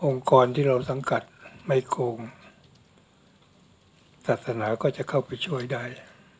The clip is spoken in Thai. กรที่เราสังกัดไม่โกงศาสนาก็จะเข้าไปช่วยได้